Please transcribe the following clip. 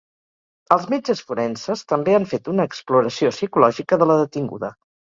Els metges forenses també han fet una exploració psicològica de la detinguda.